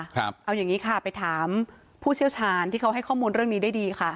เอาอย่างนี้ค่ะไปถามผู้เชี่ยวชาญที่เขาให้ข้อมูลเรื่องนี้ได้ดีค่ะ